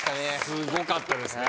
すごかったですね